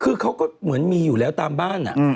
คือเขาก็เหมือนมีอยู่แล้วตามบ้าน